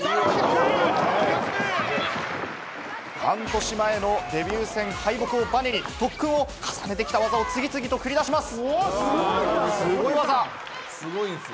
半年前のデビュー戦敗北をバネに特訓を重ねてきた技を次々と繰り出します。